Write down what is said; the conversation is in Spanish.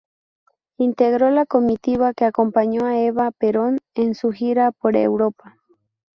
Integró la comitiva que acompañó a Eva Perón en su gira por Europa.